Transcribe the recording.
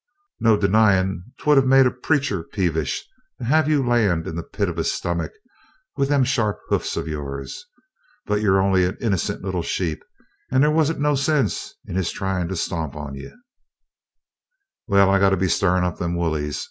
"No denyin' 'twould have made a preacher peevish to have you land in the pit of his stummick with them sharp hoofs of yourn. But you're only an innercent little sheep, and they wan't no sense in his tryin' to stomp on you. "Well, I got to be stirrin' up them woolies.